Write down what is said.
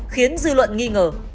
khiến dư luận nghi ngờ